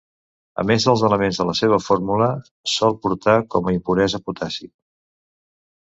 A més dels elements de la seva fórmula, sol portar com a impuresa potassi.